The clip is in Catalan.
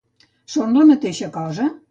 Són la mateixa cosa?